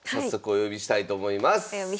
お呼びしたいと思います。